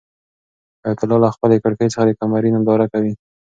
حیات الله له خپلې کړکۍ څخه د قمرۍ ننداره کوي.